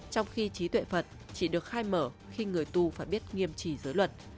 trong khi trí tuệ phật chỉ được khai mở khi người tu phải biết nghiêm trí giới luật